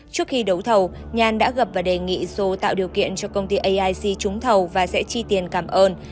trước khi đấu thầu nhàn đã gặp và đề nghị dồ tạo điều kiện cho công ty aic trúng thầu và sẽ chi tiền cảm ơn